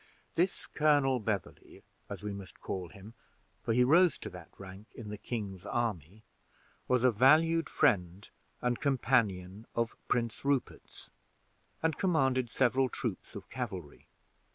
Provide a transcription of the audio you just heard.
This Colonel Beverley, as we must call him, for he rose to that rank in the king's army, was a valued friend and companion of Prince Rupert, and commanded several troops of cavalry.